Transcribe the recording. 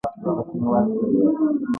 زه خو فکر کوم ته امریکایي مسلمانه یې.